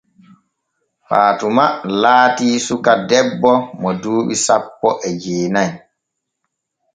Faatuma laati suka debbo mo duuɓi sanpo e jeena'i.